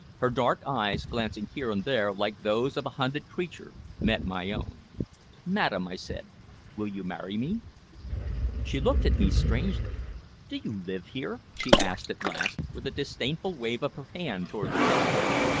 Her dark eyes, glancing here and there like those of a hunted creature, met my own. "Madam," I said, "will you marry me?" She looked at me strangely. "Do you live here?" she asked at last, with a disdainful wave of her hand toward the town.